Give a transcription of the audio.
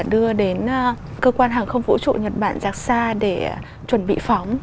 đưa đến cơ quan hàng không vũ trụ nhật bản jaxa để chuẩn bị phóng